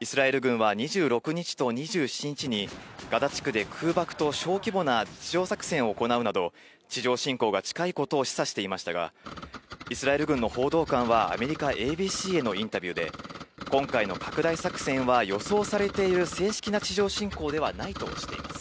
イスラエル軍は２６日と２７日に、ガザ地区で空爆と小規模な地上作戦を行うなど、地上侵攻が近いことを示唆していましたが、イスラエル軍の報道官は、アメリカＡＢＣへのインタビューで、今回の拡大作戦は予想されている正式な地上侵攻ではないとしています。